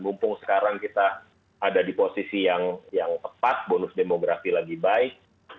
mumpung sekarang kita ada di posisi yang tepat bonus demografi lagi baik